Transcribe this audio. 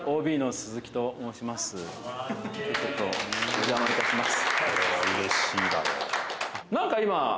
お邪魔いたします。